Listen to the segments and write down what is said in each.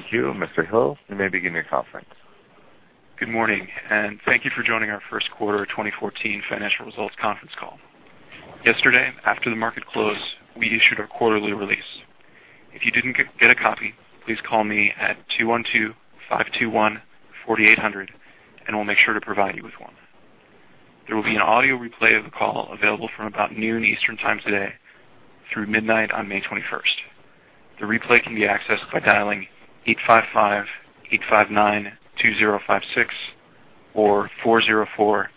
Thank you, Mr. Hill. You may begin your conference. Good morning. Thank you for joining our first quarter 2014 financial results conference call. Yesterday, after the market closed, we issued our quarterly release. If you didn't get a copy, please call me at 212-521-4800, and we'll make sure to provide you with one. There will be an audio replay of the call available from about noon Eastern Time today through midnight on May 21st. The replay can be accessed by dialing 855-859-2056 or 404-537-3406.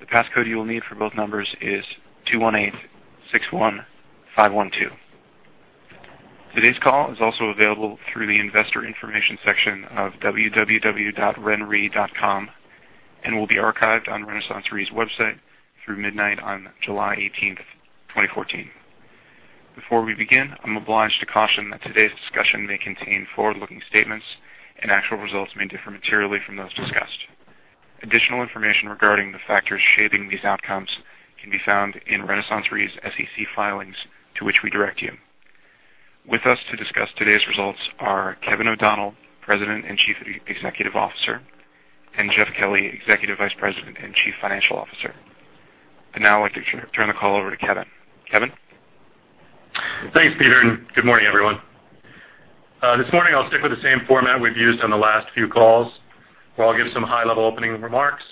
The passcode you will need for both numbers is 21861512. Today's call is also available through the investor information section of www.renre.com and will be archived on RenaissanceRe's website through midnight on July 18th, 2014. Before we begin, I'm obliged to caution that today's discussion may contain forward-looking statements and actual results may differ materially from those discussed. Additional information regarding the factors shaping these outcomes can be found in RenaissanceRe's SEC filings to which we direct you. With us to discuss today's results are Kevin O'Donnell, President and Chief Executive Officer, and Jeff Kelly, Executive Vice President and Chief Financial Officer. Now I'd like to turn the call over to Kevin. Kevin? Thanks, Peter. Good morning, everyone. This morning, I'll stick with the same format we've used on the last few calls, where I'll give some high-level opening remarks,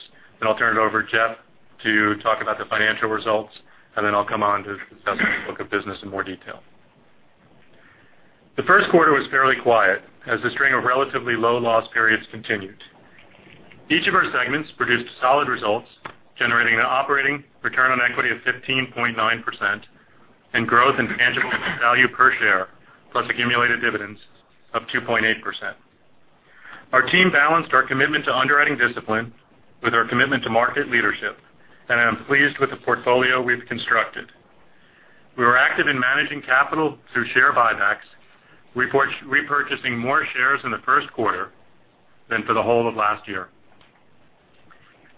then I'll turn it over to Jeff to talk about the financial results, and then I'll come on to discuss the book of business in more detail. The first quarter was fairly quiet as the string of relatively low loss periods continued. Each of our segments produced solid results, generating an operating return on equity of 15.9% and growth in tangible value per share, plus accumulated dividends of 2.8%. Our team balanced our commitment to underwriting discipline with our commitment to market leadership. I am pleased with the portfolio we've constructed. We were active in managing capital through share buybacks, repurchasing more shares in the first quarter than for the whole of last year.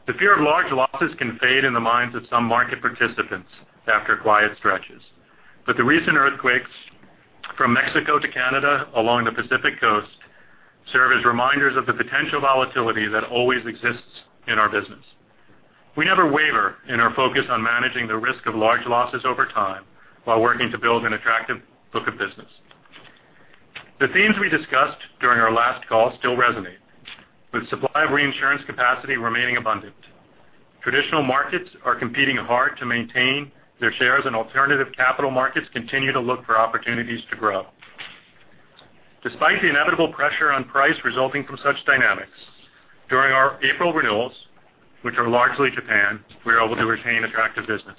The fear of large losses can fade in the minds of some market participants after quiet stretches, but the recent earthquakes from Mexico to Canada along the Pacific Coast serve as reminders of the potential volatility that always exists in our business. We never waver in our focus on managing the risk of large losses over time while working to build an attractive book of business. The themes we discussed during our last call still resonate. With supply of reinsurance capacity remaining abundant, traditional markets are competing hard to maintain their shares and alternative capital markets continue to look for opportunities to grow. Despite the inevitable pressure on price resulting from such dynamics during our April renewals, which are largely Japan, we are able to retain attractive business.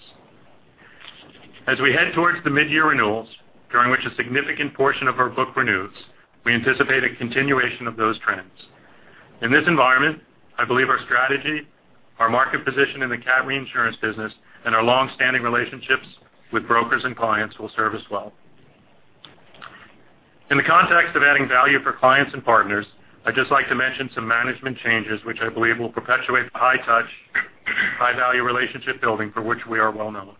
As we head towards the mid-year renewals, during which a significant portion of our book renews, we anticipate a continuation of those trends. In this environment, I believe our strategy, our market position in the cat reinsurance business, and our long-standing relationships with brokers and clients will serve us well. In the context of adding value for clients and partners, I'd just like to mention some management changes which I believe will perpetuate the high touch, high value relationship building for which we are well known.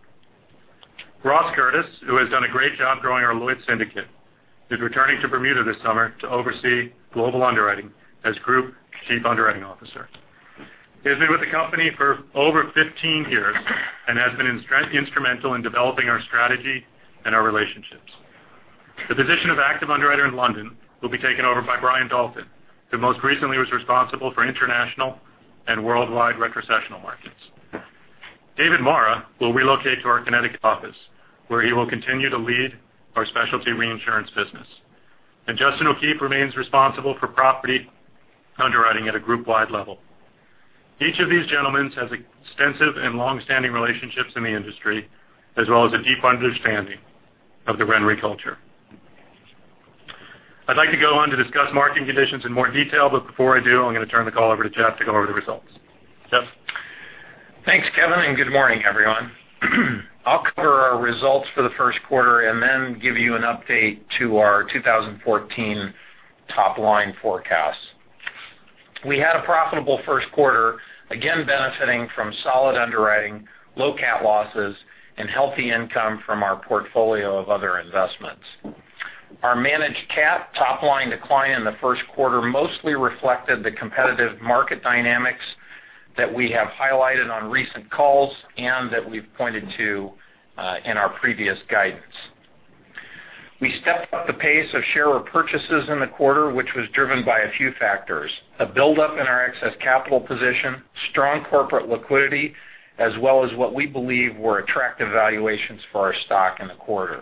Ross Curtis, who has done a great job growing our Lloyd's Syndicate, is returning to Bermuda this summer to oversee global underwriting as Group Chief Underwriting Officer. He has been with the company for over 15 years and has been instrumental in developing our strategy and our relationships. The position of active underwriter in London will be taken over by Bryan Dalton, who most recently was responsible for international and worldwide retrocessional markets. David Mara will relocate to our Connecticut office, where he will continue to lead our specialty reinsurance business. Justin O'Keefe remains responsible for property underwriting at a group-wide level. Each of these gentlemen has extensive and long-standing relationships in the industry, as well as a deep understanding of the RenRe culture. I'd like to go on to discuss marketing conditions in more detail, but before I do, I'm going to turn the call over to Jeff to go over the results. Jeff? Thanks, Kevin. Good morning, everyone. I'll cover our results for the first quarter and then give you an update to our 2014 top-line forecast. We had a profitable first quarter, again benefiting from solid underwriting, low cat losses, and healthy income from our portfolio of other investments. Our managed cat top-line decline in the first quarter mostly reflected the competitive market dynamics that we have highlighted on recent calls and that we've pointed to in our previous guidance. We stepped up the pace of share repurchases in the quarter, which was driven by a few factors, a buildup in our excess capital position, strong corporate liquidity, as well as what we believe were attractive valuations for our stock in the quarter.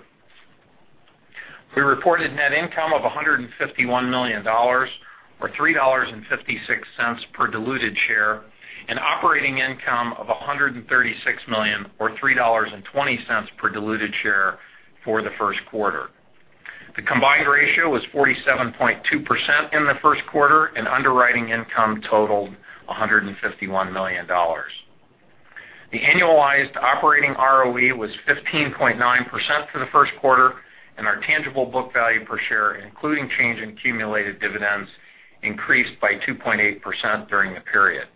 We reported net income of $151 million, or $3.56 per diluted share, and operating income of $136 million, or $3.20 per diluted share for the first quarter. The combined ratio was 47.2% in the first quarter. Underwriting income totaled $151 million. The annualized operating ROE was 15.9% for the first quarter. Our tangible book value per share, including change in cumulative dividends, increased by 2.8% during the period.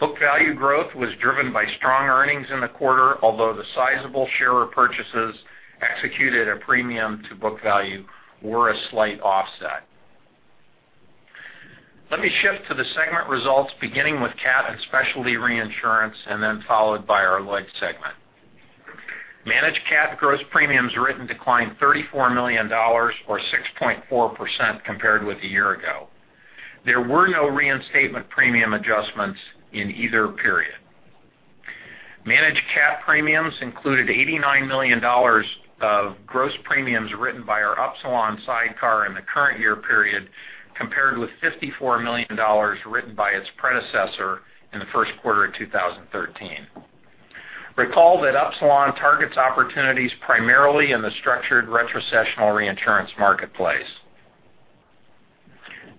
Book value growth was driven by strong earnings in the quarter, although the sizable share repurchases executed at a premium to book value were a slight offset. Let me shift to the segment results, beginning with cat and specialty reinsurance, then followed by our Lloyd's segment. Managed cat gross premiums written declined $34 million, or 6.4%, compared with a year ago. There were no reinstatement premium adjustments in either period. Managed cat premiums included $89 million of gross premiums written by our Upsilon sidecar in the current year period, compared with $54 million written by its predecessor in the first quarter of 2013. Recall that Upsilon targets opportunities primarily in the structured retrocessional reinsurance marketplace.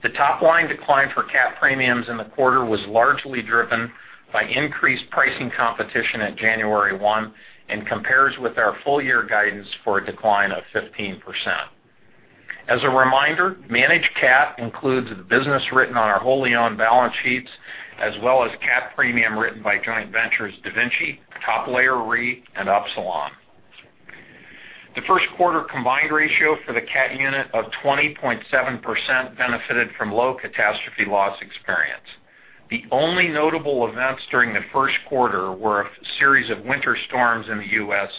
The top-line decline for cat premiums in the quarter was largely driven by increased pricing competition at January one, compares with our full-year guidance for a decline of 15%. As a reminder, managed cat includes the business written on our wholly-owned balance sheets, as well as cat premium written by joint ventures DaVinci, Top Layer Re, and Upsilon. The first quarter combined ratio for the cat unit of 20.7% benefited from low catastrophe loss experience. The only notable events during the first quarter were a series of winter storms in the U.S.,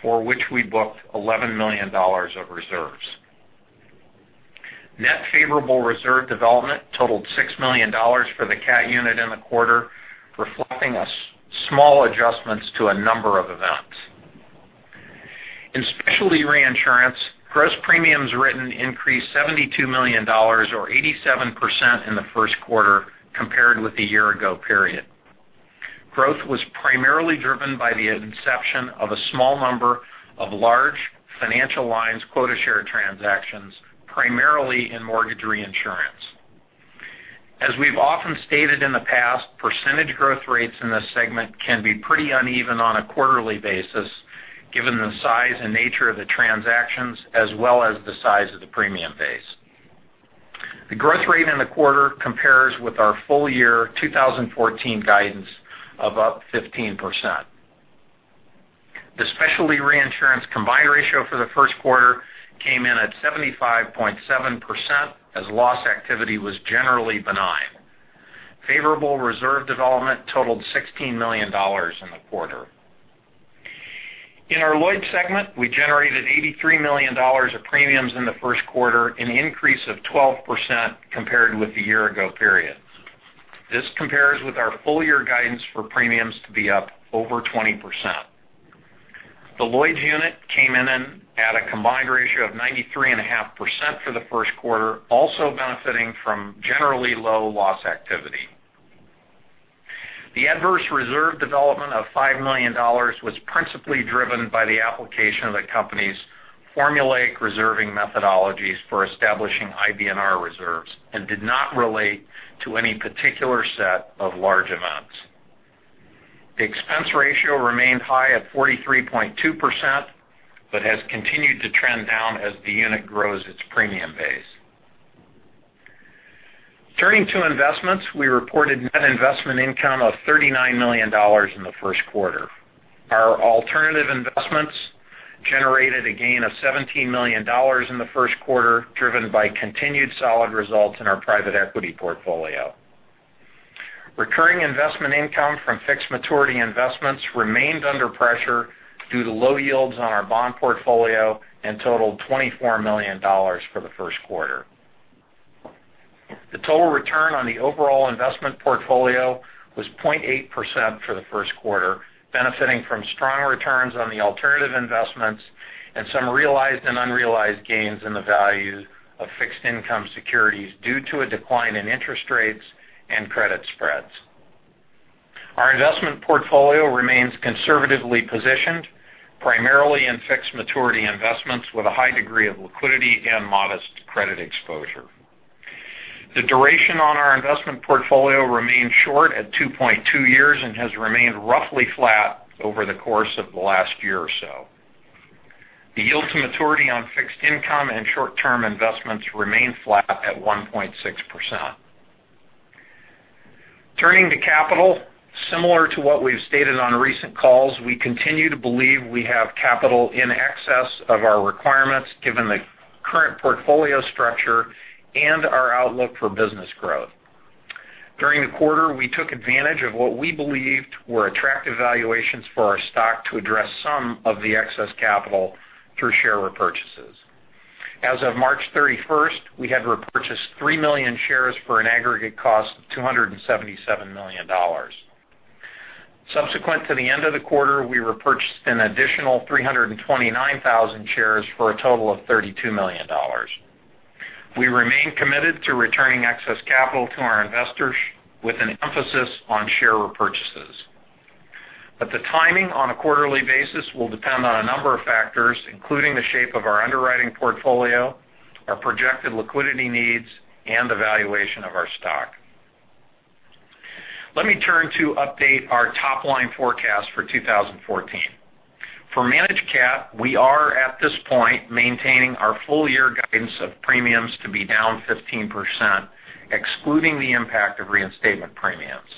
for which we booked $11 million of reserves. Net favorable reserve development totaled $6 million for the cat unit in the quarter, reflecting small adjustments to a number of events. In specialty reinsurance, gross premiums written increased $72 million, or 87%, in the first quarter compared with the year ago period. Growth was primarily driven by the inception of a small number of large financial lines quota share transactions, primarily in mortgage reinsurance. As we've often stated in the past, percentage growth rates in this segment can be pretty uneven on a quarterly basis given the size and nature of the transactions, as well as the size of the premium base. The growth rate in the quarter compares with our full-year 2014 guidance of up 15%. The specialty reinsurance combined ratio for the first quarter came in at 75.7% as loss activity was generally benign. Favorable reserve development totaled $16 million in the quarter. In our Lloyd's segment, we generated $83 million of premiums in the first quarter, an increase of 12% compared with the year ago period. This compares with our full year guidance for premiums to be up over 20%. The Lloyd's unit came in at a combined ratio of 93.5% for the first quarter, also benefiting from generally low loss activity. The adverse reserve development of $5 million was principally driven by the application of the company's formulaic reserving methodologies for establishing IBNR reserves, did not relate to any particular set of large events. The expense ratio remained high at 43.2%, has continued to trend down as the unit grows its premium base. Turning to investments, we reported net investment income of $39 million in the first quarter. Our alternative investments generated a gain of $17 million in the first quarter, driven by continued solid results in our private equity portfolio. Recurring investment income from fixed maturity investments remained under pressure due to low yields on our bond portfolio and totaled $24 million for the first quarter. The total return on the overall investment portfolio was 0.8% for the first quarter, benefiting from strong returns on the alternative investments and some realized and unrealized gains in the value of fixed income securities due to a decline in interest rates and credit spreads. Our investment portfolio remains conservatively positioned, primarily in fixed maturity investments with a high degree of liquidity and modest credit exposure. The duration on our investment portfolio remains short at 2.2 years and has remained roughly flat over the course of the last year or so. The yield to maturity on fixed income and short-term investments remain flat at 1.6%. Turning to capital, similar to what we've stated on recent calls, we continue to believe we have capital in excess of our requirements given the current portfolio structure and our outlook for business growth. During the quarter, we took advantage of what we believed were attractive valuations for our stock to address some of the excess capital through share repurchases. As of March 31st, we had repurchased 3 million shares for an aggregate cost of $277 million. Subsequent to the end of the quarter, we repurchased an additional 329,000 shares for a total of $32 million. We remain committed to returning excess capital to our investors with an emphasis on share repurchases. The timing on a quarterly basis will depend on a number of factors, including the shape of our underwriting portfolio, our projected liquidity needs, and the valuation of our stock. Let me turn to update our top-line forecast for 2014. For managed cat, we are at this point maintaining our full year guidance of premiums to be down 15%, excluding the impact of reinstatement premiums.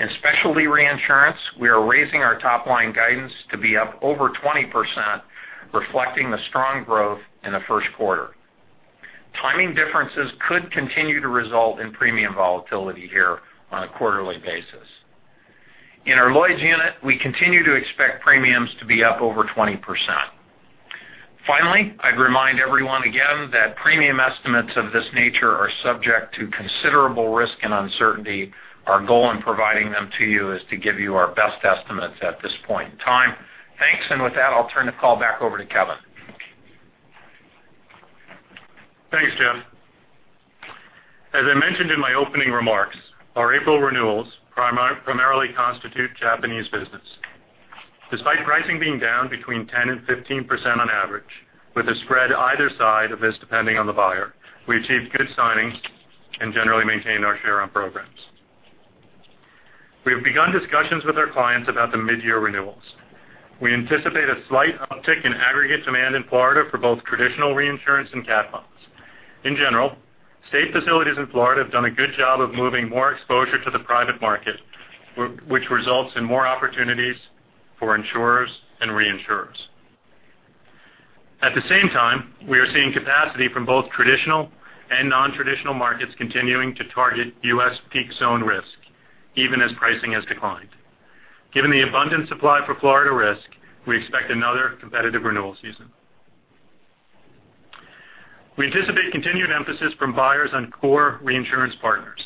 In specialty reinsurance, we are raising our top-line guidance to be up over 20%, reflecting the strong growth in the first quarter. Timing differences could continue to result in premium volatility here on a quarterly basis. In our Lloyd's unit, we continue to expect premiums to be up over 20%. Finally, I'd remind everyone again that premium estimates of this nature are subject to considerable risk and uncertainty. Our goal in providing them to you is to give you our best estimates at this point in time. Thanks, and with that, I'll turn the call back over to Kevin. Thanks, Jeff. As I mentioned in my opening remarks, our April renewals primarily constitute Japanese business. Despite pricing being down between 10% and 15% on average, with a spread either side of this depending on the buyer, we achieved good signings and generally maintained our share on programs. We have begun discussions with our clients about the mid-year renewals. We anticipate a slight uptick in aggregate demand in Florida for both traditional reinsurance and cat bonds. In general, state facilities in Florida have done a good job of moving more exposure to the private market, which results in more opportunities for insurers and reinsurers. At the same time, we are seeing capacity from both traditional and non-traditional markets continuing to target U.S. peak zone risk, even as pricing has declined. Given the abundant supply for Florida risk, we expect another competitive renewal season. We anticipate continued emphasis from buyers on core reinsurance partners.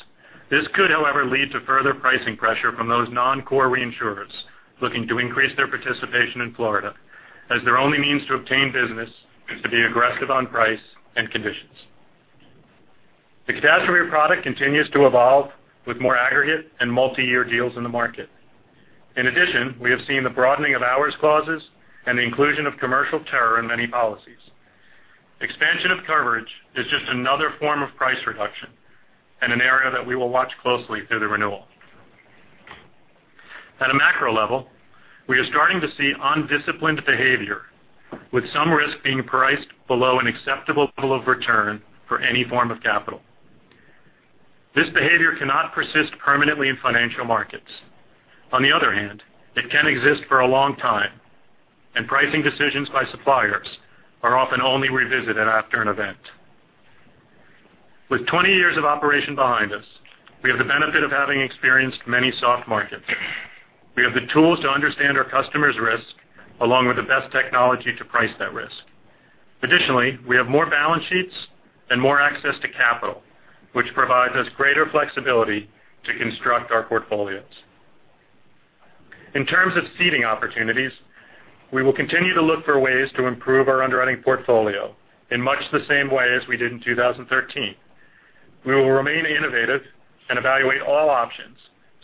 This could, however, lead to further pricing pressure from those non-core reinsurers looking to increase their participation in Florida as their only means to obtain business is to be aggressive on price and conditions. The catastrophe product continues to evolve with more aggregate and multi-year deals in the market. In addition, we have seen the broadening of hours clause and the inclusion of commercial terror in many policies. Expansion of coverage is just another form of price reduction and an area that we will watch closely through the renewal. At a macro level, we are starting to see undisciplined behavior, with some risk being priced below an acceptable pool of return for any form of capital. This behavior cannot persist permanently in financial markets. On the other hand, it can exist for a long time, pricing decisions by suppliers are often only revisited after an event. With 20 years of operation behind us, we have the benefit of having experienced many soft markets. We have the tools to understand our customers' risk, along with the best technology to price that risk. Additionally, we have more balance sheets and more access to capital, which provides us greater flexibility to construct our portfolios. In terms of ceding opportunities, we will continue to look for ways to improve our underwriting portfolio in much the same way as we did in 2013. We will remain innovative and evaluate all options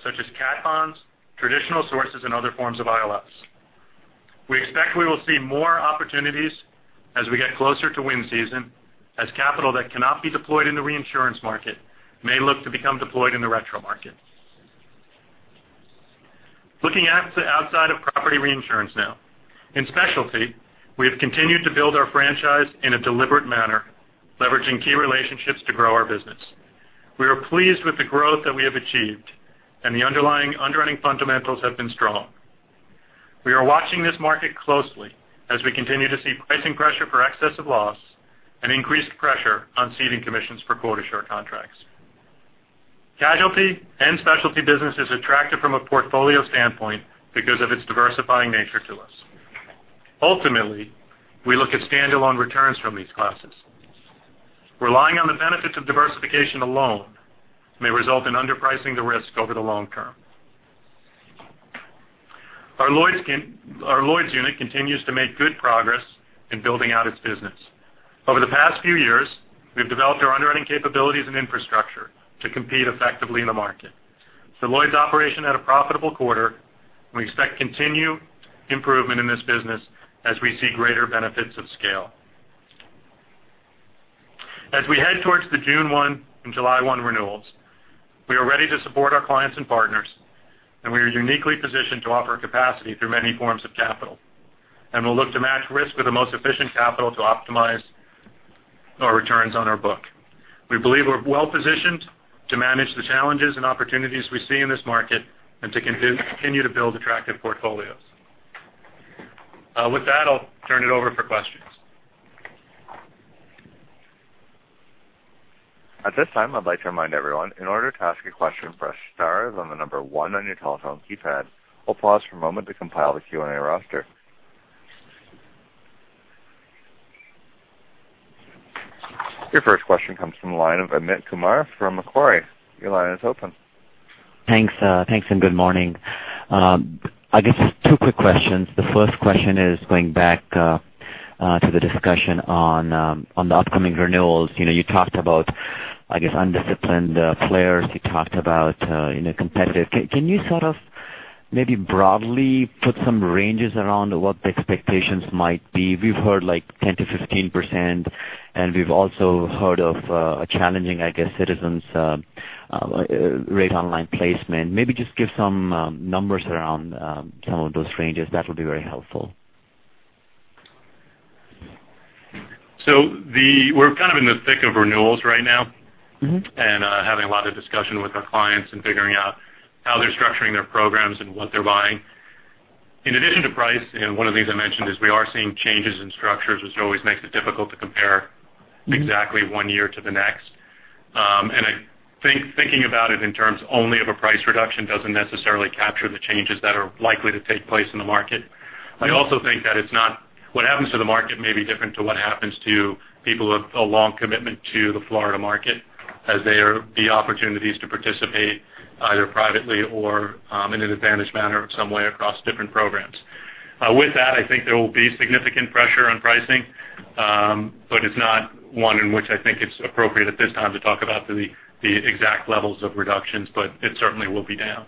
such as cat bonds, traditional sources, and other forms of ILS. We expect we will see more opportunities as we get closer to wind season, as capital that cannot be deployed in the reinsurance market may look to become deployed in the retro market. Looking at the outside of property reinsurance now. In specialty, we have continued to build our franchise in a deliberate manner, leveraging key relationships to grow our business. We are pleased with the growth that we have achieved and the underlying underwriting fundamentals have been strong. We are watching this market closely as we continue to see pricing pressure for excess of loss and increased pressure on ceding commission for quota share contracts. Casualty and specialty business is attractive from a portfolio standpoint because of its diversifying nature to us. Ultimately, we look at standalone returns from these classes. Relying on the benefits of diversification alone may result in underpricing the risk over the long term. Our Lloyd's unit continues to make good progress in building out its business. Over the past few years, we've developed our underwriting capabilities and infrastructure to compete effectively in the market. The Lloyd's operation had a profitable quarter, we expect continued improvement in this business as we see greater benefits of scale. As we head towards the June 1 and July 1 renewals, we are ready to support our clients and partners, we are uniquely positioned to offer capacity through many forms of capital, we'll look to match risk with the most efficient capital to optimize our returns on our book. We believe we're well-positioned to manage the challenges and opportunities we see in this market and to continue to build attractive portfolios. With that, I'll turn it over for questions. At this time, I'd like to remind everyone, in order to ask a question, press star, then the number one on your telephone keypad. We'll pause for a moment to compile the Q&A roster. Your first question comes from the line of Amit Kumar from Macquarie. Your line is open. Thanks. Good morning. Just two quick questions. The first question is going back to the discussion on the upcoming renewals. You talked about undisciplined players. You talked about competitive. Can you sort of maybe broadly put some ranges around what the expectations might be? We've heard like 10%-15%, and we've also heard of a challenging Citizens rate on line placement. Maybe just give some numbers around some of those ranges. That would be very helpful. We're kind of in the thick of renewals right now and having a lot of discussion with our clients and figuring out how they're structuring their programs and what they're buying. In addition to price, one of the things I mentioned is we are seeing changes in structures, which always makes it difficult to compare exactly one year to the next. I think thinking about it in terms only of a price reduction doesn't necessarily capture the changes that are likely to take place in the market. I also think that what happens to the market may be different to what happens to people with a long commitment to the Florida market, as there will be opportunities to participate either privately or in an advantaged manner in some way across different programs. With that, I think there will be significant pressure on pricing, but it's not one in which I think it's appropriate at this time to talk about the exact levels of reductions, but it certainly will be down.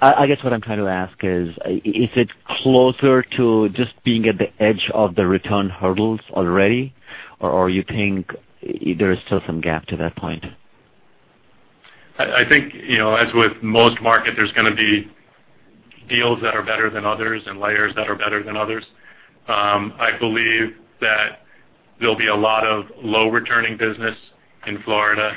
I guess what I'm trying to ask is it closer to just being at the edge of the return hurdles already, or you think there is still some gap to that point? I think, as with most markets, there's going to be deals that are better than others and layers that are better than others. I believe that there'll be a lot of low-returning business in Florida.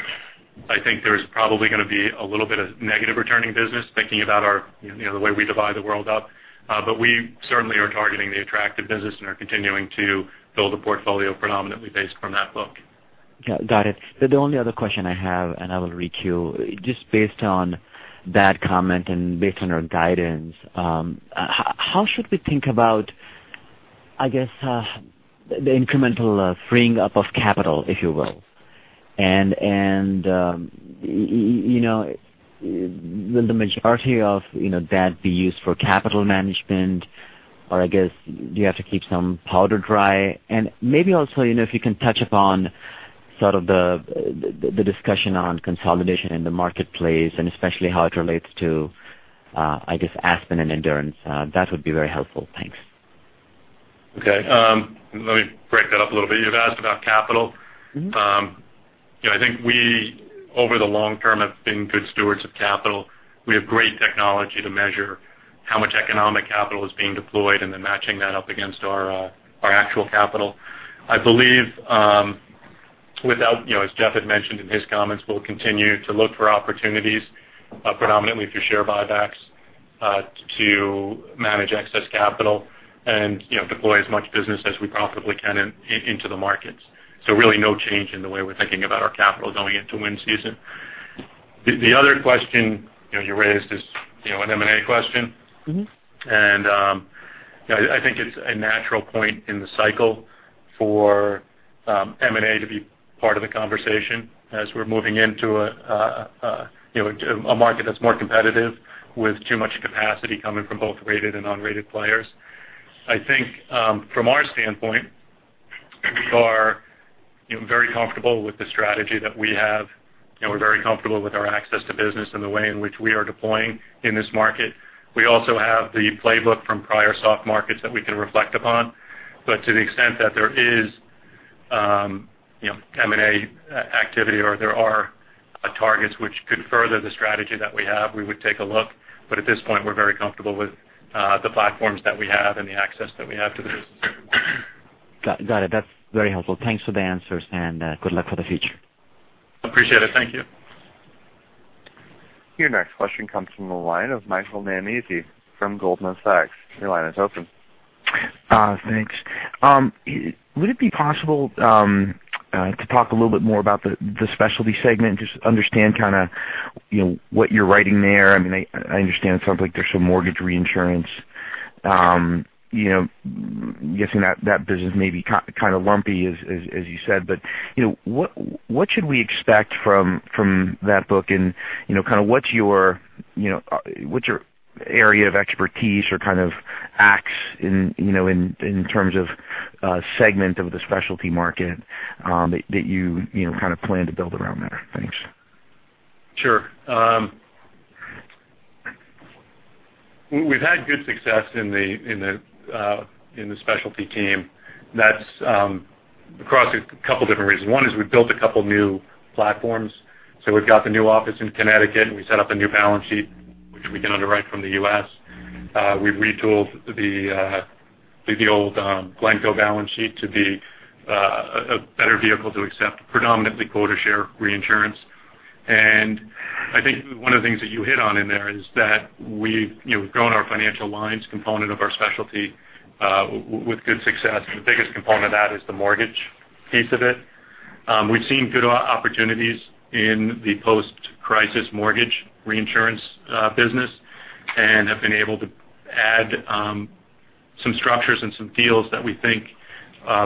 I think there's probably going to be a little bit of negative returning business, thinking about the way we divide the world up. We certainly are targeting the attractive business and are continuing to build a portfolio predominantly based from that book. Got it. The only other question I have, I will reach you, just based on that comment and based on our guidance, how should we think about, I guess, the incremental freeing up of capital, if you will? Will the majority of that be used for capital management, or I guess, do you have to keep some powder dry? Maybe also, if you can touch upon sort of the discussion on consolidation in the marketplace and especially how it relates to, I guess, Aspen and Endurance. That would be very helpful. Thanks. Okay. Let me break that up a little bit. You've asked about capital. I think we, over the long term, have been good stewards of capital. We have great technology to measure how much economic capital is being deployed and then matching that up against our actual capital. I believe, as Jeff had mentioned in his comments, we'll continue to look for opportunities, predominantly through share buybacks, to manage excess capital and deploy as much business as we profitably can into the markets. Really no change in the way we're thinking about our capital going into wind season. The other question you raised is an M&A question. I think it's a natural point in the cycle for M&A to be part of the conversation as we're moving into a market that's more competitive with too much capacity coming from both rated and unrated players. I think from our standpoint, we are very comfortable with the strategy that we have, and we're very comfortable with our access to business and the way in which we are deploying in this market. We also have the playbook from prior soft markets that we can reflect upon. To the extent that there is M&A activity or there are targets which could further the strategy that we have, we would take a look. At this point, we're very comfortable with the platforms that we have and the access that we have to the business. Got it. That's very helpful. Thanks for the answers, and good luck for the future. Appreciate it. Thank you. Your next question comes from the line of Michael Nannizzi from Goldman Sachs. Your line is open. Thanks. Would it be possible to talk a little bit more about the specialty segment, just understand kind of what you're writing there? I understand it sounds like there's some mortgage reinsurance. I'm guessing that business may be kind of lumpy as you said, but what should we expect from that book and kind of what's your area of expertise or kind of axe in terms of segment of the specialty market that you kind of plan to build around there? Thanks. Sure. We've had good success in the specialty team. That's across a couple different reasons. One is we've built a couple new platforms. We've got the new office in Connecticut, and we set up a new balance sheet, which we can underwrite from the U.S. We've retooled the old Glencoe balance sheet to be a better vehicle to accept predominantly quota share reinsurance. I think one of the things that you hit on in there is that we've grown our financial lines component of our specialty with good success, and the biggest component of that is the mortgage piece of it. We've seen good opportunities in the post-crisis mortgage reinsurance business and have been able to add some structures and some deals that we think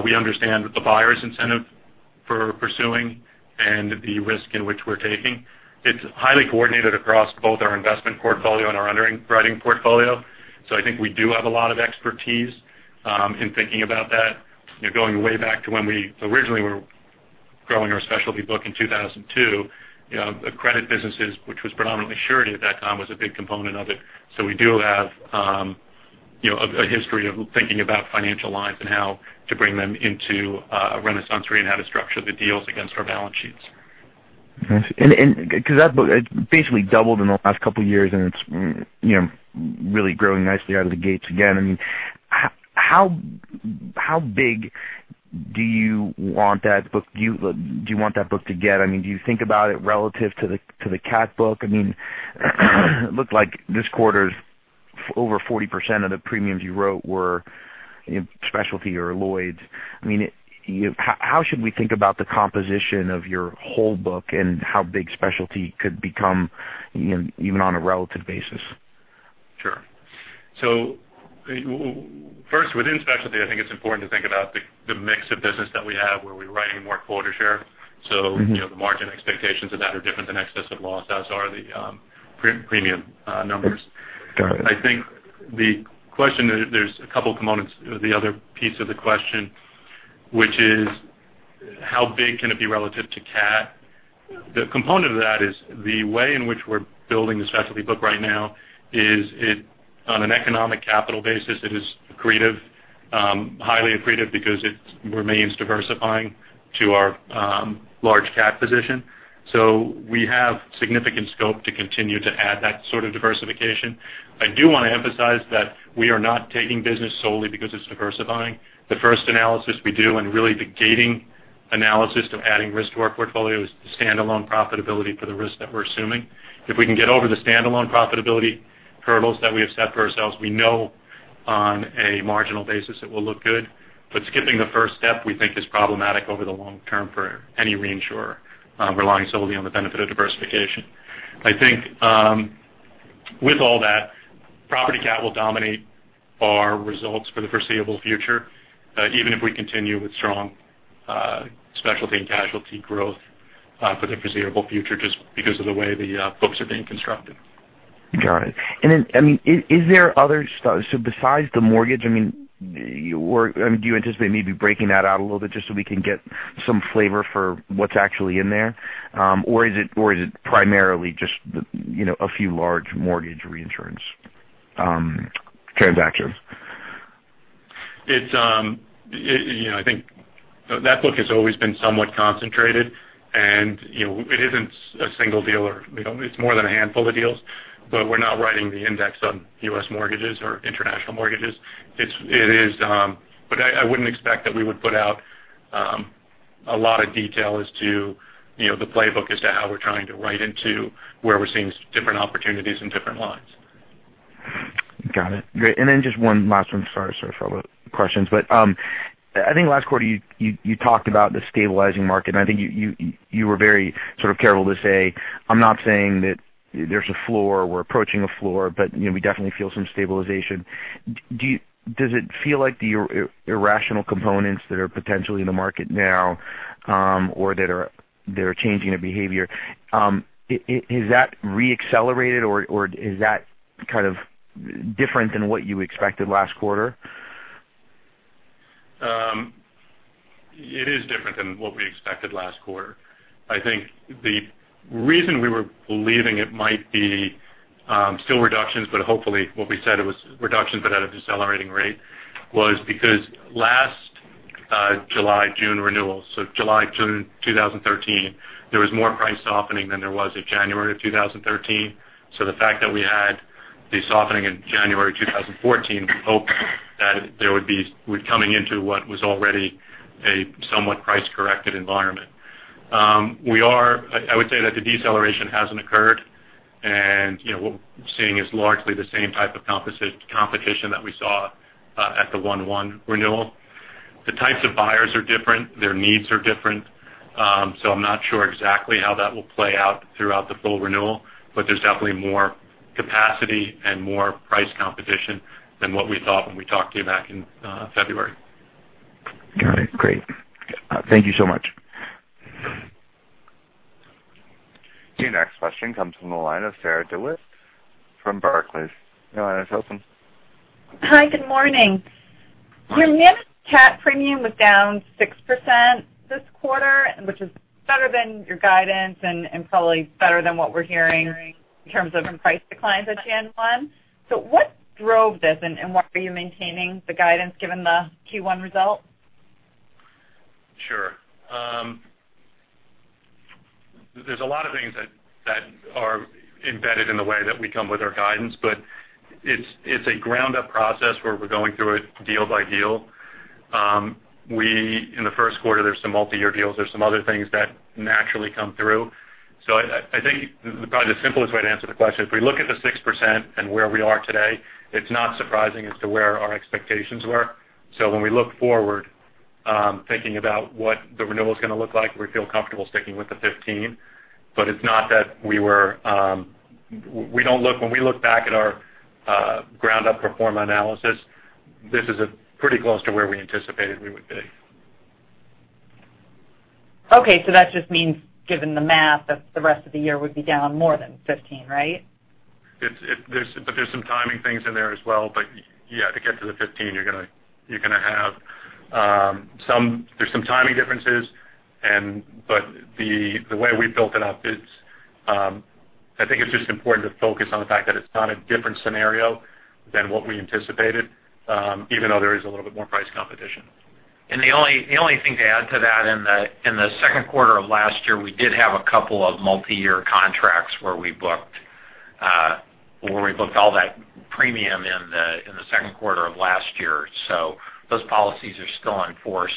we understand the buyer's incentive for pursuing and the risk in which we're taking. It's highly coordinated across both our investment portfolio and our underwriting portfolio. I think we do have a lot of expertise in thinking about that. Going way back to when we originally were growing our specialty book in 2002, the credit businesses, which was predominantly surety at that time, was a big component of it. We do have a history of thinking about financial lines and how to bring them into a RenaissanceRe and how to structure the deals against our balance sheets. That book basically doubled in the last couple of years, and it's really growing nicely out of the gates again. How big do you want that book to get? Do you think about it relative to the CAT book? It looked like this quarter's over 40% of the premiums you wrote were specialty or Lloyd's. How should we think about the composition of your whole book and how big specialty could become, even on a relative basis? Sure. First, within specialty, I think it's important to think about the mix of business that we have, where we're writing more quota share. The margin expectations of that are different than excess of loss, as are the premium numbers. Got it. I think the question, there's a couple components. The other piece of the question, which is how big can it be relative to CAT? The component of that is the way in which we're building the specialty book right now is on an economic capital basis, it is accretive. Highly accretive because it remains diversifying to our large CAT position. We have significant scope to continue to add that sort of diversification. I do want to emphasize that we are not taking business solely because it's diversifying. The first analysis we do and really the gating analysis of adding risk to our portfolio is the standalone profitability for the risk that we're assuming. If we can get over the standalone profitability hurdles that we have set for ourselves, we know on a marginal basis it will look good. Skipping the first step, we think is problematic over the long term for any reinsurer relying solely on the benefit of diversification. I think with all that, property CAT will dominate our results for the foreseeable future, even if we continue with strong specialty and casualty growth for the foreseeable future, just because of the way the books are being constructed. Got it. Besides the mortgage, do you anticipate maybe breaking that out a little bit just so we can get some flavor for what's actually in there? Or is it primarily just a few large mortgage reinsurance transactions? I think that book has always been somewhat concentrated, it isn't a single deal or it's more than a handful of deals, but we're not writing the index on U.S. mortgages or international mortgages. I wouldn't expect that we would put out a lot of detail as to the playbook as to how we're trying to write into where we're seeing different opportunities in different lines. Got it. Great. Just one last one. Sorry for all the questions, I think last quarter you talked about the stabilizing market, I think you were very careful to say, I'm not saying that there's a floor, we're approaching a floor, but we definitely feel some stabilization. Does it feel like the irrational components that are potentially in the market now, or that are changing their behavior, has that re-accelerated or is that different than what you expected last quarter? It is different than what we expected last quarter. I think the reason we were believing it might be still reductions, but hopefully what we said it was reductions but at a decelerating rate, was because last July, June renewals. July, June 2013, there was more price softening than there was in January of 2013. The fact that we had the softening in January 2014, we hoped that there would be coming into what was already a somewhat price corrected environment. I would say that the deceleration hasn't occurred, and what we're seeing is largely the same type of competition that we saw at the 1/1 renewal. The types of buyers are different, their needs are different. I'm not sure exactly how that will play out throughout the full renewal, but there's definitely more capacity and more price competition than what we thought when we talked to you back in February. Got it. Great. Thank you so much. Your next question comes from the line of Sarah DeWitt from Barclays. Your line is open. Hi, good morning. Your net cat premium was down 6% this quarter, which is better than your guidance and probably better than what we're hearing in terms of price declines at Jan-one. What drove this, and why are you maintaining the guidance given the Q1 results? Sure. There's a lot of things that are embedded in the way that we come with our guidance, but it's a ground up process where we're going through it deal by deal. In the first quarter, there's some multi-year deals. There's some other things that naturally come through. I think probably the simplest way to answer the question, if we look at the 6% and where we are today, it's not surprising as to where our expectations were. When we look forward, thinking about what the renewal is going to look like, we feel comfortable sticking with the 15. When we look back at our ground up pro forma analysis, this is pretty close to where we anticipated we would be. Okay. That just means, given the math that the rest of the year would be down more than 15, right? There's some timing things in there as well. Yeah, to get to the 15, there's some timing differences, but the way we've built it up, I think it's just important to focus on the fact that it's not a different scenario than what we anticipated, even though there is a little bit more price competition. The only thing to add to that, in the second quarter of last year, we did have a couple of multi-year contracts where we booked all that premium in the second quarter of last year. Those policies are still in force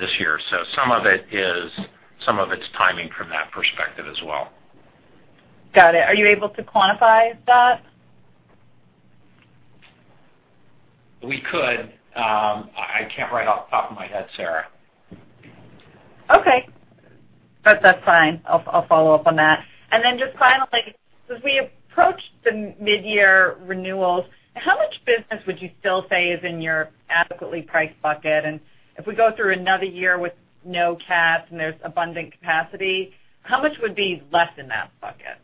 this year. Some of it's timing from that perspective as well. Got it. Are you able to quantify that? We could. I can't right off the top of my head, Sarah. Okay. That's fine. I'll follow up on that. Just finally, as we approach the mid-year renewals, how much business would you still say is in your adequately priced bucket? If we go through another year with no cats and there's abundant capacity, how much would be less in that bucket?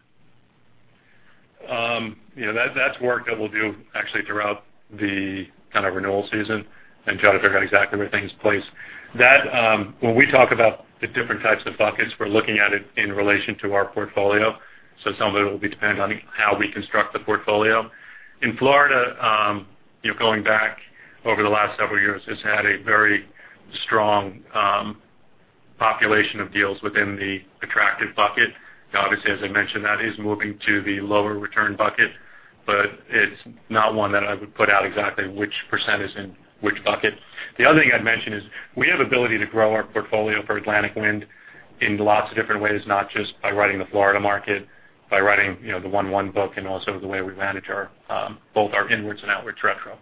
That's work that we'll do actually throughout the kind of renewal season and try to figure out exactly where things place. When we talk about the different types of buckets, we're looking at it in relation to our portfolio, so some of it will be dependent on how we construct the portfolio. In Florida, going back over the last several years, has had a very strong population of deals within the attractive bucket. Obviously, as I mentioned, that is moving to the lower return bucket, but it's not one that I would put out exactly which % is in which bucket. The other thing I'd mention is we have ability to grow our portfolio for Atlantic Wind in lots of different ways, not just by writing the Florida market, by writing the 1-1 book and also the way we manage both our inwards and outwards retro.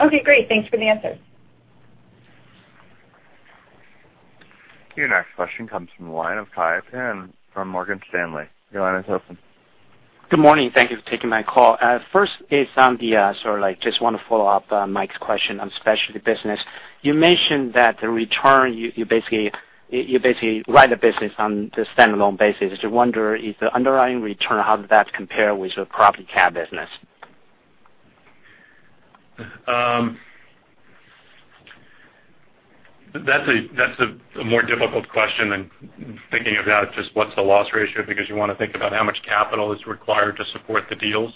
Okay, great. Thanks for the answers. Your next question comes from the line of Kai Pan from Morgan Stanley. Your line is open. Good morning. Thank you for taking my call. First, I just want to follow up Mike's question on specialty business. You mentioned that the return, you basically write the business on the standalone basis. I just wonder if the underlying return, how does that compare with your property cat business? That's a more difficult question than thinking about just what's the loss ratio because you want to think about how much capital is required to support the deals.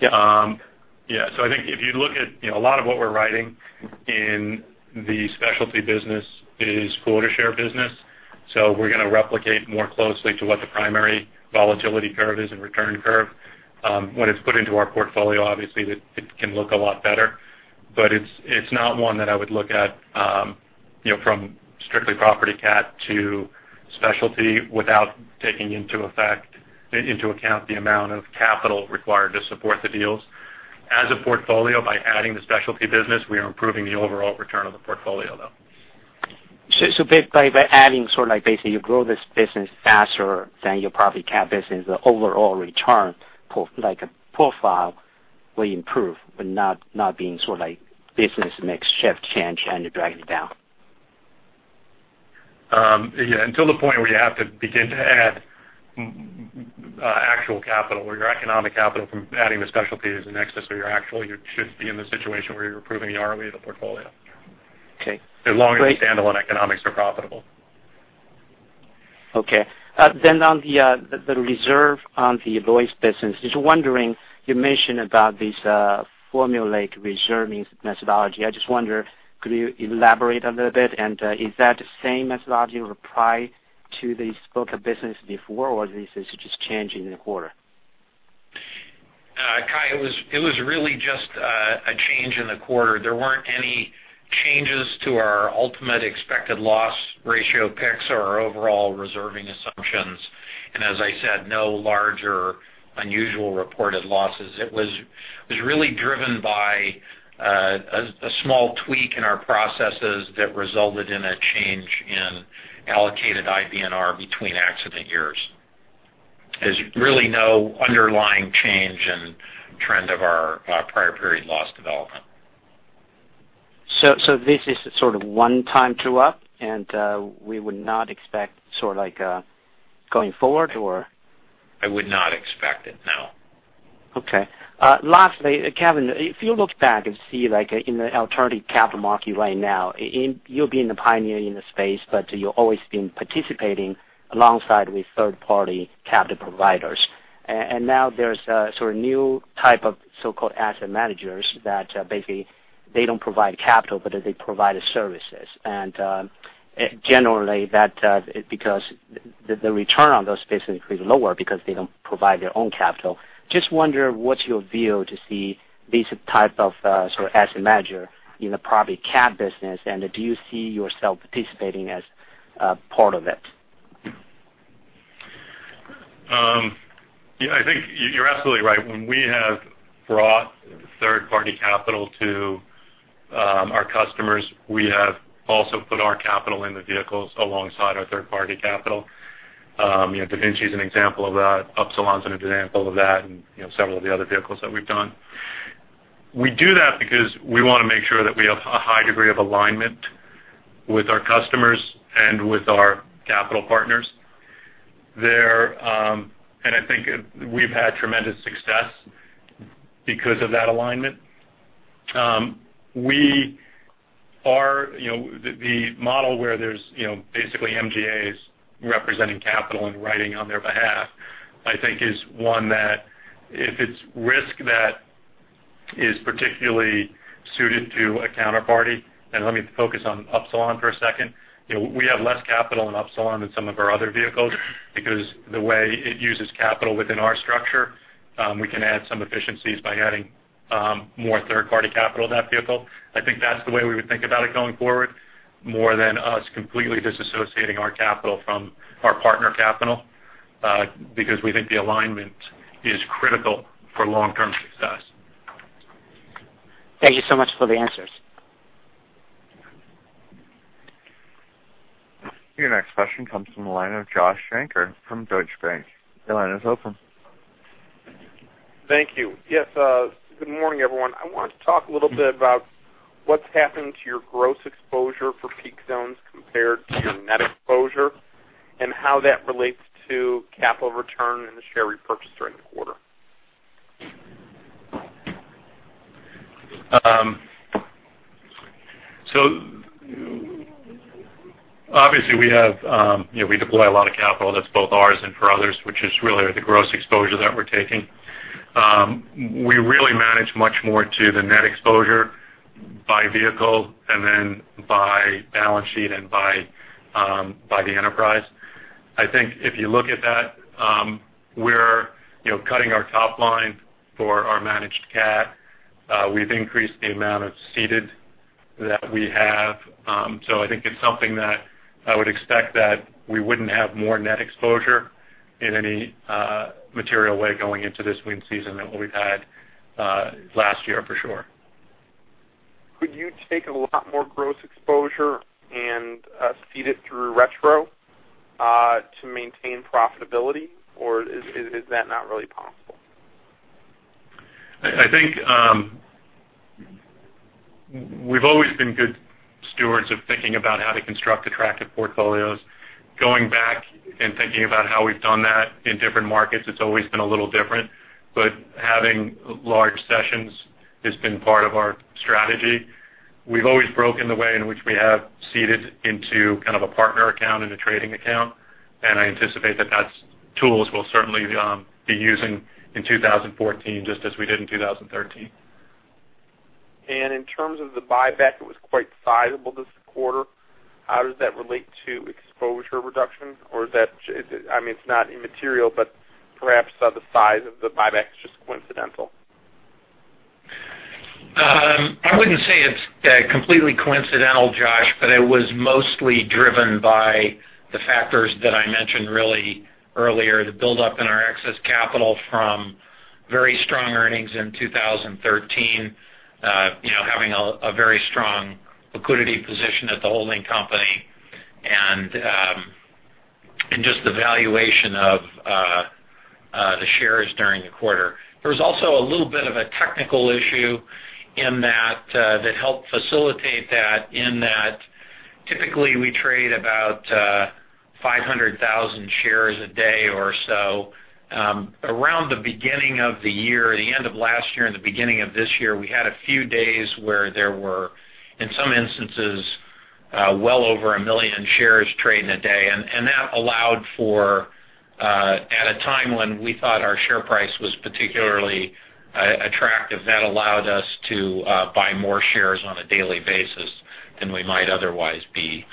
Yeah. Yeah. I think if you look at a lot of what we're writing in the specialty business is quota share business. We're going to replicate more closely to what the primary volatility curve is and return curve. When it's put into our portfolio, obviously, it can look a lot better, but it's not one that I would look at from strictly property cat to specialty without taking into account the amount of capital required to support the deals. As a portfolio by adding the specialty business, we are improving the overall return of the portfolio, though. By adding, sort of like basically you grow this business faster than your property cat business, the overall return, like a profile will improve, but not being sort of like business mix shift change and you're dragging it down. Yeah, until the point where you have to begin to add actual capital or your economic capital from adding the specialty as an excess or your actual, you should be in the situation where you're improving the ROE of the portfolio. Okay. As long as the standalone economics are profitable. Okay. On the reserve on the Lloyd's business, just wondering, you mentioned about this formulaic reserving methodology. I just wonder, could you elaborate a little bit, and is that the same methodology you applied to the scope of business before, or this is just change in the quarter? Kai, it was really just a change in the quarter. There weren't any changes to our ultimate expected loss ratio picks or our overall reserving assumptions. As I said, no large or unusual reported losses. It was really driven by a small tweak in our processes that resulted in a change in allocated IBNR between accident years. There's really no underlying change in trend of our prior period loss development. This is sort of a one-time true-up, and we would not expect sort of like going forward or? I would not expect it, no. Okay. Lastly, Kevin, if you look back and see, like in the alternative capital market right now, you'll be in the pioneer in the space, but you've always been participating alongside with third-party capital providers. Now there's a sort of new type of so-called asset managers that basically they don't provide capital, but they provide services. Generally because the return on those basically is lower because they don't provide their own capital. Just wonder what's your view to see these type of asset manager in the property cat business, and do you see yourself participating as a part of it? Yeah, I think you're absolutely right. When we have brought third-party capital to our customers, we have also put our capital in the vehicles alongside our third-party capital. DaVinci is an example of that. Upsilon is an example of that and several of the other vehicles that we've done. We do that because we want to make sure that we have a high degree of alignment with our customers and with our capital partners. I think we've had tremendous success because of that alignment. The model where there's basically MGAs representing capital and writing on their behalf, I think is one that if it's risk that is particularly suited to a counterparty, and let me focus on Upsilon for a second. We have less capital in Upsilon than some of our other vehicles because the way it uses capital within our structure, we can add some efficiencies by adding more third-party capital to that vehicle. I think that's the way we would think about it going forward, more than us completely disassociating our capital from our partner capital, because we think the alignment is critical for long-term success. Thank you so much for the answers. Your next question comes from the line of Joshua Shanker from Deutsche Bank. Your line is open. Thank you. Yes, good morning, everyone. I want to talk a little bit about what's happened to your gross exposure for peak zones compared to your net exposure, and how that relates to capital return and the share repurchase during the quarter. Obviously we deploy a lot of capital that's both ours and for others, which is really the gross exposure that we're taking. We really manage much more to the net exposure by vehicle and then by balance sheet and by the enterprise. I think if you look at that, we're cutting our top line for our managed cat. We've increased the amount of ceded that we have. I think it's something that I would expect that we wouldn't have more net exposure in any material way going into this wind season than what we've had last year for sure. Could you take a lot more gross exposure and cede it through retro to maintain profitability, or is that not really possible? I think we've always been good stewards of thinking about how to construct attractive portfolios. Going back and thinking about how we've done that in different markets, it's always been a little different, but having large cessions has been part of our strategy. We've always broken the way in which we have ceded into kind of a partner account and a trading account, I anticipate that that's tools we'll certainly be using in 2014, just as we did in 2013. In terms of the buyback, it was quite sizable this quarter. How does that relate to exposure reduction? I mean, it's not immaterial, but perhaps the size of the buyback is just coincidental. I wouldn't say it's completely coincidental, Josh, it was mostly driven by the factors that I mentioned really earlier, the buildup in our excess capital from very strong earnings in 2013, having a very strong liquidity position at the holding company, and just the valuation of the shares during the quarter. There was also a little bit of a technical issue that helped facilitate that, in that typically we trade about 500,000 shares a day or so. Around the beginning of the year, the end of last year and the beginning of this year, we had a few days where there were, in some instances, well over 1 million shares traded in a day. At a time when we thought our share price was particularly attractive, that allowed us to buy more shares on a daily basis than we might otherwise be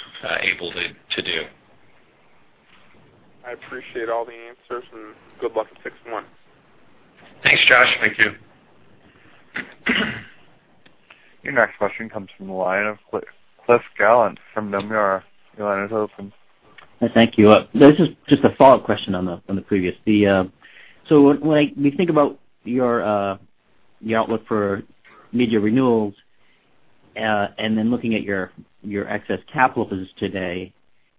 able to do. I appreciate all the answers and good luck at 06/01/2013. Thanks, Josh. Thank you. Your next question comes from the line of Cliff Gallant from Nomura. Your line is open. Thank you. This is just a follow-up question on the previous. When we think about your outlook for mid-year renewals, looking at your excess capital business today,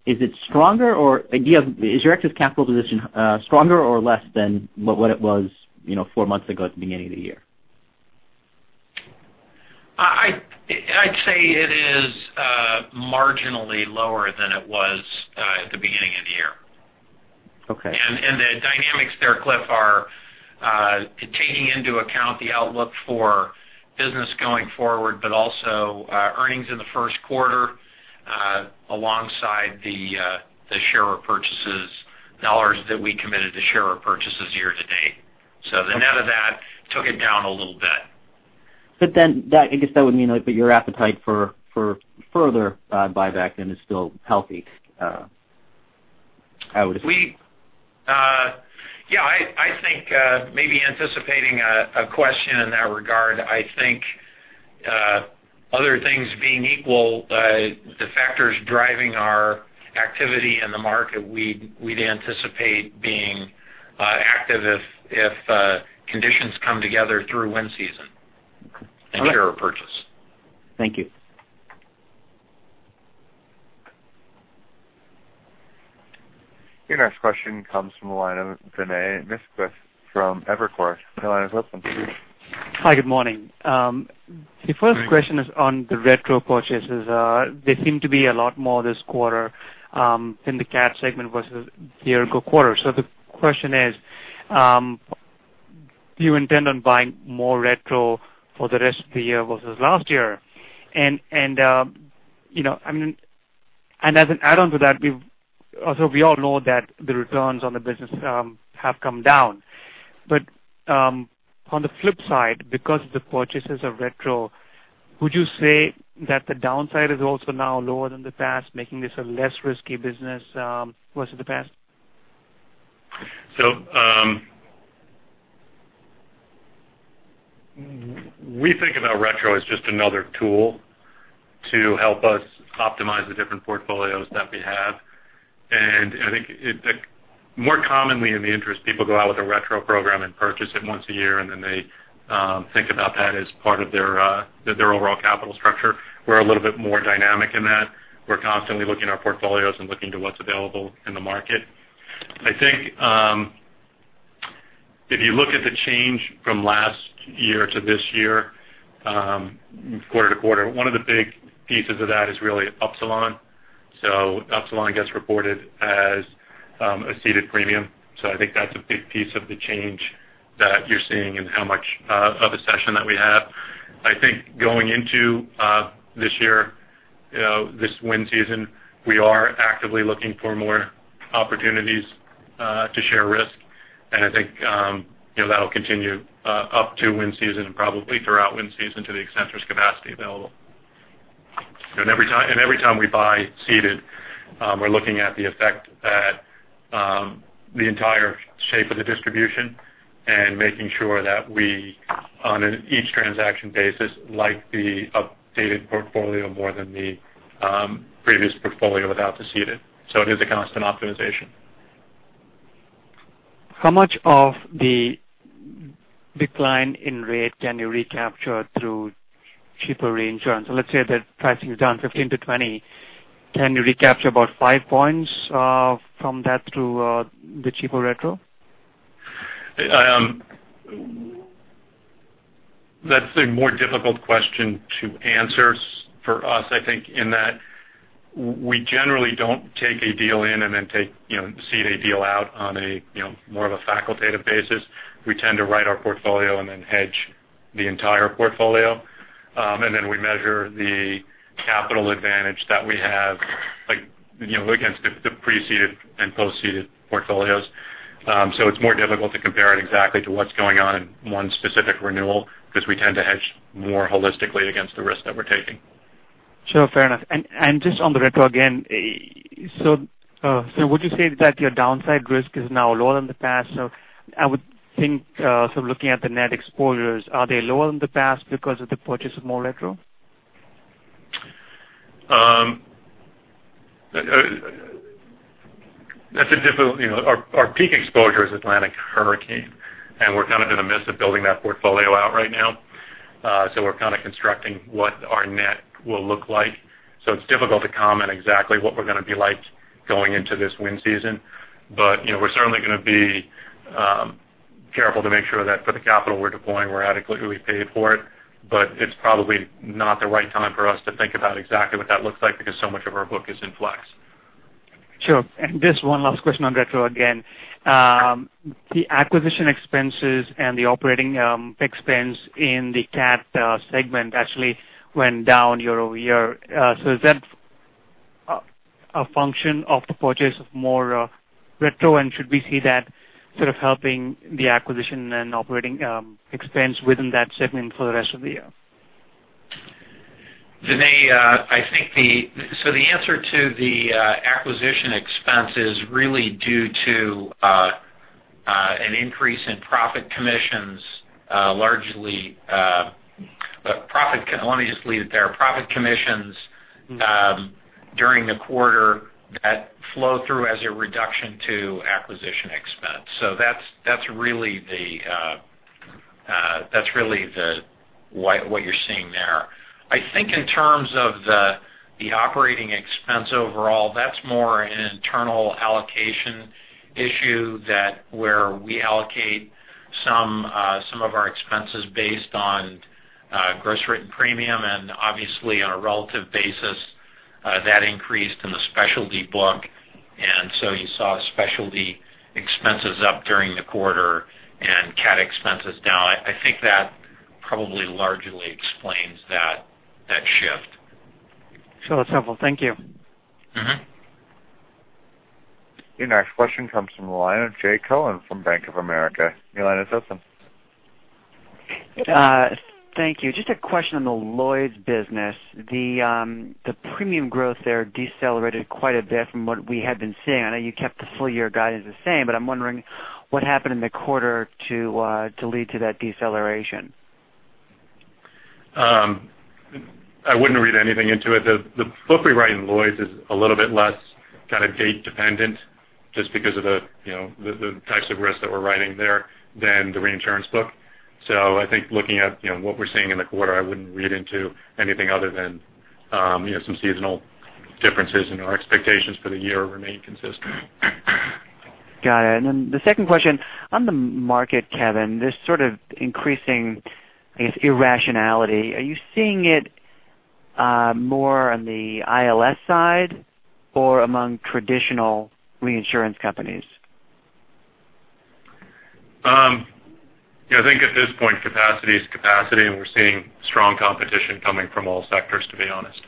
is your excess capital position stronger or less than what it was 4 months ago at the beginning of the year? I'd say it is marginally lower than it was at the beginning of the year. Okay. The dynamics there, Cliff, are taking into account the outlook for business going forward, also earnings in the first quarter alongside the share repurchases dollars that we committed to share repurchases year-to-date. The net of that took it down a little bit. I guess that would mean that your appetite for further buyback then is still healthy, I would assume. Yeah, I think maybe anticipating a question in that regard. I think other things being equal, the factors driving our activity in the market, we'd anticipate being active if conditions come together through wind season in share repurchase. Thank you. Your next question comes from the line of Vinay Misquith from Evercore. Your line is open. Hi, good morning. Great. The first question is on the retro purchases. They seem to be a lot more this quarter in the CAT segment versus the year ago quarter. The question is, do you intend on buying more retro for the rest of the year versus last year? As an add-on to that, although we all know that the returns on the business have come down, on the flip side, because of the purchases of retro, would you say that the downside is also now lower than the past, making this a less risky business versus the past? We think about retro as just another tool to help us optimize the different portfolios that we have. I think more commonly in the industry, people go out with a retro program and purchase it once a year, then they think about that as part of their overall capital structure. We're a little bit more dynamic in that. We're constantly looking at our portfolios and looking to what's available in the market. I think, if you look at the change from last year to this year, quarter to quarter, one of the big pieces of that is really Upsilon. Upsilon gets reported as a ceded premium. I think that's a big piece of the change that you're seeing in how much of a cession that we have. I think going into this year, this wind season, we are actively looking for more opportunities to share risk. I think that'll continue up to wind season and probably throughout wind season to the extent there's capacity available. Every time we buy ceded, we're looking at the effect at the entire shape of the distribution and making sure that we, on an each transaction basis, like the updated portfolio more than the previous portfolio without the ceded. It is a constant optimization. How much of the decline in rate can you recapture through cheaper reinsurance? Let's say that pricing is down 15%-20%. Can you recapture about five points from that through the cheaper retro? That's a more difficult question to answer for us, I think, in that we generally don't take a deal in and then cede a deal out on more of a facultative basis. We tend to write our portfolio and then hedge the entire portfolio. Then we measure the capital advantage that we have against the pre-ceded and post-ceded portfolios. It's more difficult to compare it exactly to what's going on in one specific renewal because we tend to hedge more holistically against the risk that we're taking. Sure, fair enough. Just on the retro again, would you say that your downside risk is now lower than the past? I would think so looking at the net exposures, are they lower than the past because of the purchase of more retro? Our peak exposure is Atlantic hurricane, we're kind of in the midst of building that portfolio out right now. We're kind of constructing what our net will look like. It's difficult to comment exactly what we're going to be like going into this wind season. We're certainly going to be careful to make sure that for the capital we're deploying, we're adequately paid for it. It's probably not the right time for us to think about exactly what that looks like because so much of our book is in flux. Sure. Just one last question on retro again. The acquisition expenses and the operating expense in the CAT segment actually went down year-over-year. Is that a function of the purchase of more retro, and should we see that sort of helping the acquisition and operating expense within that segment for the rest of the year? Vinay, the answer to the acquisition expense is really due to an increase in profit commissions largely. Let me just leave it there. Profit commissions during the quarter that flow through as a reduction to acquisition expense. That's really what you're seeing there. I think in terms of the operating expense overall, that's more an internal allocation issue that where we allocate some of our expenses based on gross written premium and obviously on a relative basis, that increased in the specialty book. You saw specialty expenses up during the quarter and CAT expenses down. I think that probably largely explains that shift. Sure, that's helpful. Thank you. Your next question comes from the line of Jay Cohen from Bank of America. Your line is open. Thank you. Just a question on the Lloyd's business. The premium growth there decelerated quite a bit from what we had been seeing. I know you kept the full year guidance the same, I'm wondering what happened in the quarter to lead to that deceleration? I wouldn't read anything into it. The book we write in Lloyd's is a little bit less kind of gate dependent just because of the types of risks that we're writing there than the reinsurance book. I think looking at what we're seeing in the quarter, I wouldn't read into anything other than some seasonal differences, and our expectations for the year remain consistent. Got it. The second question, on the market, Kevin, this sort of increasing, I guess, irrationality, are you seeing it more on the ILS side or among traditional reinsurance companies? I think at this point, capacity is capacity, we're seeing strong competition coming from all sectors, to be honest.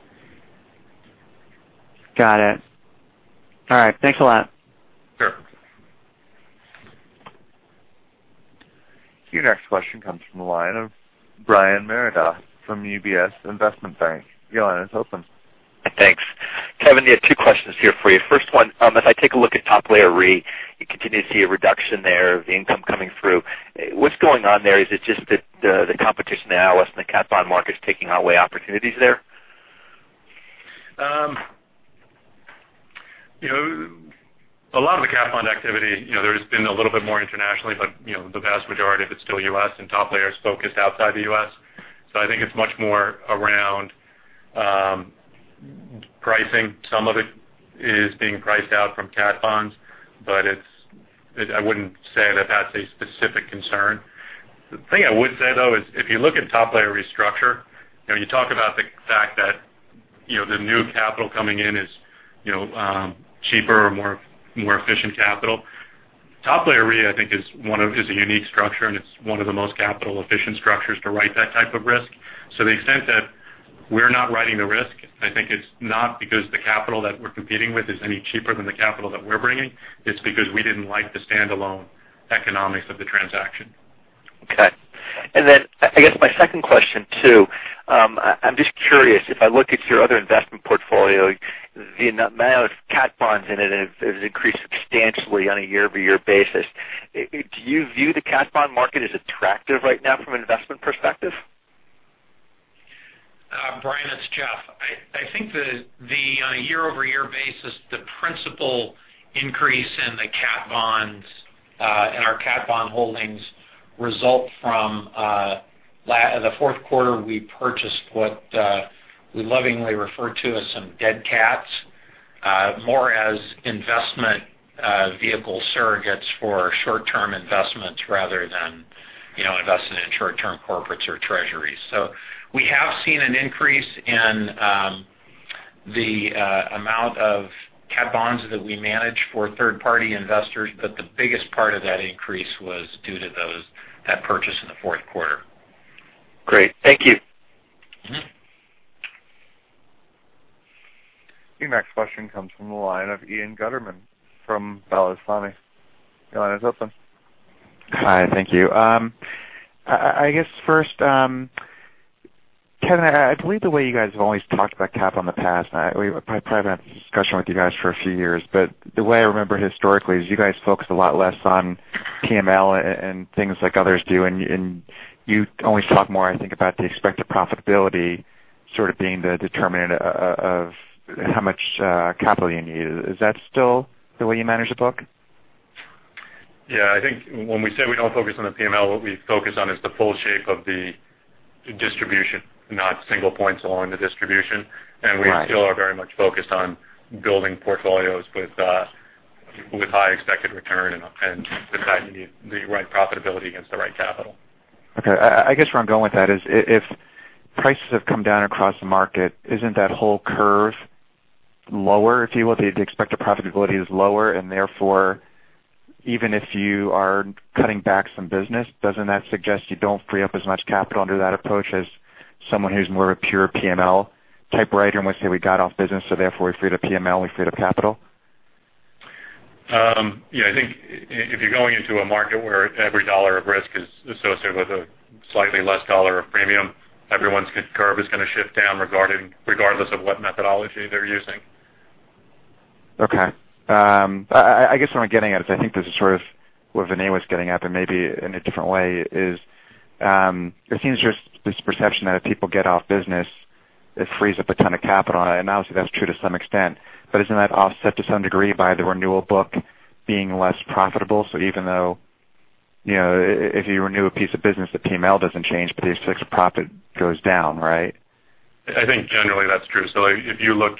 Got it. All right. Thanks a lot. Sure. Your next question comes from the line of Brian Meredith from UBS Investment Bank. Your line is open. Thanks. Kevin, yeah, two questions here for you. First one, if I take a look at Top Layer Re, you continue to see a reduction there of the income coming through. What's going on there? Is it just the competition in the ILS and the cat bond market is taking away opportunities there? A lot of the cat bond activity, there's been a little bit more internationally, but the vast majority of it is still U.S., and Top Layer Re is focused outside the U.S. I think it's much more around pricing. Some of it is being priced out from cat bonds, but I wouldn't say that that's a specific concern. The thing I would say, though, is if you look at Top Layer Re restructure, you talk about the fact that the new capital coming in is cheaper or more efficient capital. Top Layer Re, I think, is a unique structure, and it's one of the most capital-efficient structures to write that type of risk. To the extent that we're not writing the risk, I think it's not because the capital that we're competing with is any cheaper than the capital that we're bringing. It's because we didn't like the standalone economics of the transaction. Okay. I guess my second question, too, I'm just curious, if I look at your other investment portfolio, the amount of cat bonds in it has increased substantially on a year-over-year basis. Do you view the cat bond market as attractive right now from an investment perspective? Brian, it's Jeff. I think the year-over-year basis, the principal increase in the cat bonds, in our cat bond holdings result from the fourth quarter we purchased what we lovingly refer to as some dead cats, more as investment vehicle surrogates for short-term investments rather than investing in short-term corporates or treasuries. We have seen an increase in the amount of cat bonds that we manage for third-party investors, but the biggest part of that increase was due to that purchase in the fourth quarter. Great. Thank you. Your next question comes from the line of Ian Gutterman from Balyasny. Your line is open. Hi. Thank you. I guess first, Kevin, I believe the way you guys have always talked about cat bond in the past, we've probably been having this discussion with you guys for a few years, but the way I remember historically is you guys focused a lot less on PML and things like others do, and you always talk more, I think, about the expected profitability sort of being the determinant of how much capital you need. Is that still the way you manage the book? Yeah, I think when we say we don't focus on the PML, what we focus on is the full shape of the distribution, not single points along the distribution. Right. We still are very much focused on building portfolios with high expected return, and with that, you need the right profitability against the right capital. Okay. I guess where I'm going with that is if prices have come down across the market, isn't that whole curve lower, if you will? The expected profitability is lower, and therefore, even if you are cutting back some business, doesn't that suggest you don't free up as much capital under that approach as someone who's more of a pure PML type writer and would say, "We got off business, so therefore we free the PML, we free the capital"? I think if you're going into a market where every $ of risk is associated with a slightly less $ of premium, everyone's curve is going to shift down regardless of what methodology they're using. Okay. I guess what I'm getting at is I think this is sort of what Vinay was getting at, but maybe in a different way, is it seems there's this perception that if people get off business, it frees up a ton of capital. Obviously, that's true to some extent. Isn't that offset to some degree by the renewal book being less profitable? Even though if you renew a piece of business, the PML doesn't change, but your six profit goes down, right? I think generally that's true. If you look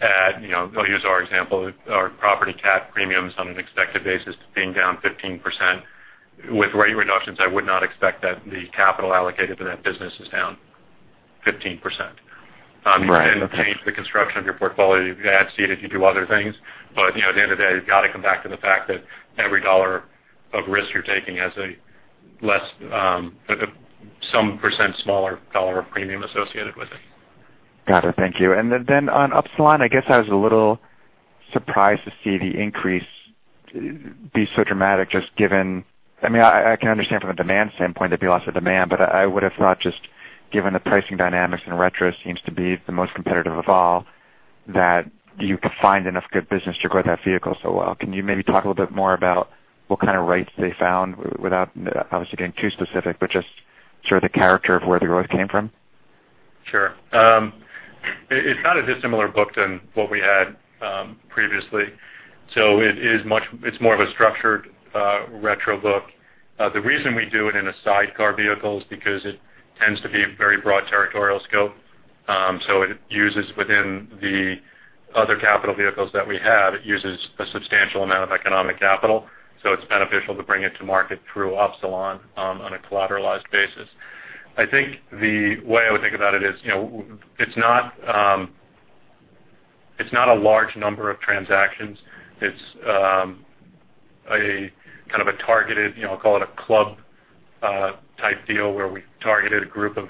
at, I'll use our example, our property cat premiums on an expected basis being down 15%. With rate reductions, I would not expect that the capital allocated to that business is down 15%. Right. Okay. You can change the construction of your portfolio, you can backseat it if you do other things, at the end of the day, you've got to come back to the fact that every $1 of risk you're taking has some % smaller $ of premium associated with it. Got it. Thank you. Then on Upsilon, I guess I was a little surprised to see the increase be so dramatic, I mean, I can understand from a demand standpoint if you lost the demand, but I would have thought just given the pricing dynamics and retro seems to be the most competitive of all, that you could find enough good business to grow that vehicle so well. Can you maybe talk a little bit more about what kind of rates they found without obviously getting too specific, but just sort of the character of where the growth came from? Sure. It's not a dissimilar book than what we had previously. It's more of a structured retro book. The reason we do it in a sidecar vehicle is because it tends to be a very broad territorial scope it uses within the other capital vehicles that we have, it uses a substantial amount of economic capital, so it's beneficial to bring it to market through Upsilon on a collateralized basis. I think the way I would think about it is, it's not a large number of transactions. It's a targeted, call it a club-type deal, where we targeted a group of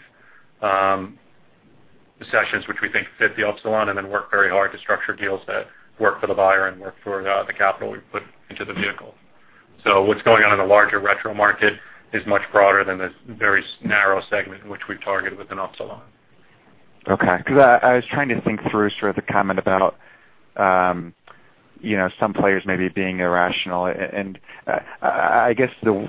cessions which we think fit the Upsilon and then work very hard to structure deals that work for the buyer and work for the capital we put into the vehicle. What's going on in the larger retro market is much broader than this very narrow segment in which we've targeted with an Upsilon. Okay. Because I was trying to think through sort of the comment about some players maybe being irrational. I guess the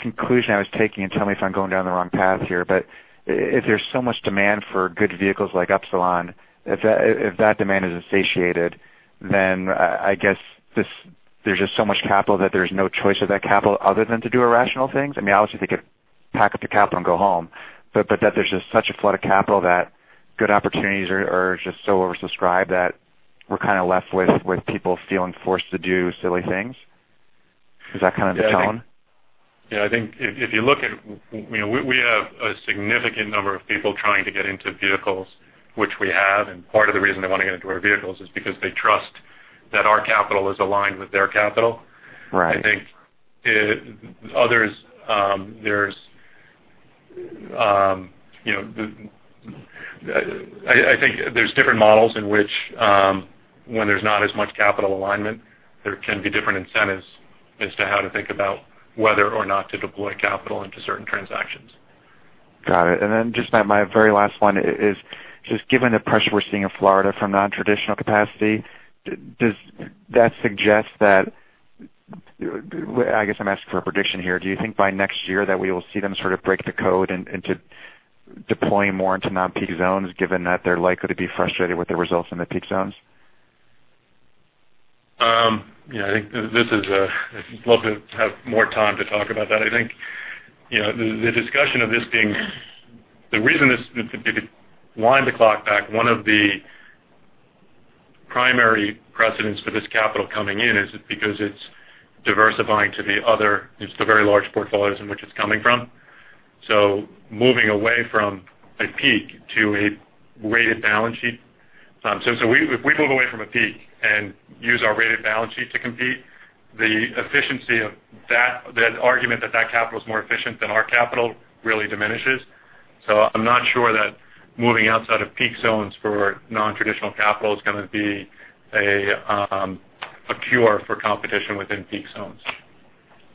conclusion I was taking, and tell me if I'm going down the wrong path here, but if there's so much demand for good vehicles like Upsilon, if that demand is associated, I guess there's just so much capital that there's no choice of that capital other than to do irrational things. I mean, obviously they could pack up the capital and go home. That there's just such a flood of capital that good opportunities are just so oversubscribed that we're kind of left with people feeling forced to do silly things. Is that kind of the tone? Yeah, I think We have a significant number of people trying to get into vehicles which we have, part of the reason they want to get into our vehicles is because they trust that our capital is aligned with their capital. Right. I think there's different models in which when there's not as much capital alignment, there can be different incentives as to how to think about whether or not to deploy capital into certain transactions. Got it. Just my very last one is, just given the pressure we're seeing in Florida from non-traditional capacity, does that suggest that, I guess I'm asking for a prediction here. Do you think by next year that we will see them sort of break the code into deploying more into non-peak zones, given that they're likely to be frustrated with the results in the peak zones? Yeah, I think this is a Love to have more time to talk about that. I think, the discussion of this being, if you wind the clock back, one of the primary precedents for this capital coming in is because it's diversifying to the other, the very large portfolios in which it's coming from. Moving away from a peak to a rated balance sheet. If we move away from a peak and use our rated balance sheet to compete, the efficiency of that, the argument that capital is more efficient than our capital really diminishes. I'm not sure that moving outside of peak zones for non-traditional capital is going to be a cure for competition within peak zones.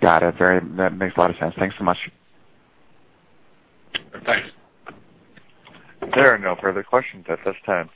Got it. That makes a lot of sense. Thanks so much. Thanks. There are no further questions at this time.